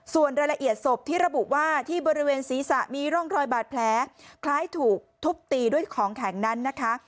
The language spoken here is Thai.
ส่วนรายละเอียดศพที่ระบุว่าที่บริเวณศีรษะมีร่องรอยบาดแผลคล้ายถูกทุบตีด้วยของแข็งนั้นนะคะ